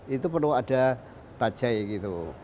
itu perlu ada bajai gitu